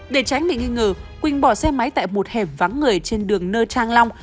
để tránh bị nghi ngờ quỳnh bỏ xe máy tại một hẻm vắng người trên đường nơ trang long